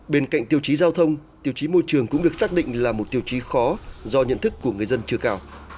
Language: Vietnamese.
bên cạnh tiêu chí giao thông tiêu chí môi trường cũng được xác định là một tiêu chí khó do nhận thức của người dân chưa cao